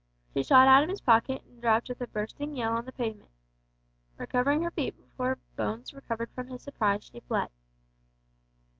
She shot out of his pocket and dropped with a bursting yell on the pavement. Recovering her feet before Bones recovered from his surprise she fled.